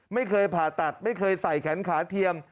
ไม่เคยผ่าตัดไม่เคยใส่แขนขาเทียม